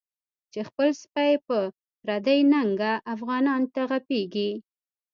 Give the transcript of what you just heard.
چی خپل سپی په پردی ننگه، افغانانوته غپیږی